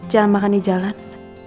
jangan makan di jalan